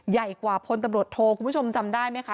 ใหญ่กว่าพลตำรวจโทคุณผู้ชมจำได้ไหมคะ